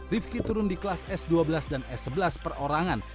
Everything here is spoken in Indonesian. rifki turun di kelas s dua belas dan s sebelas perorangan